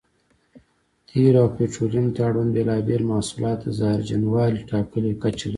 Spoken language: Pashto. تېلو او پټرولیم ته اړوند بېلابېل محصولات د زهرجنوالي ټاکلې کچه لري.